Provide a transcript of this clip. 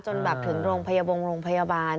จนแบบถึงโรงพยาบาลโรงพยาบาล